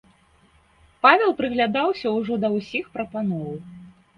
Павел прыглядаўся ўжо да ўсіх прапаноў.